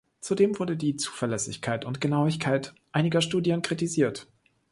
Zudem wurde die Zuverlässigkeit und Genauigkeit einiger Studien kritisiert.